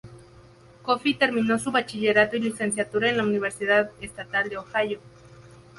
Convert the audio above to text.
Coffey terminó su bachillerato y licenciatura en la Universidad Estatal de Ohio.